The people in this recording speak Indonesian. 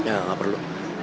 ya gak perlu